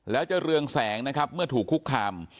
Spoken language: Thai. แล้วจะเรืองแสงนะครับเมื่อถูกคุกคาม